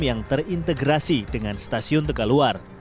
yang terintegrasi dengan stasiun tegak luar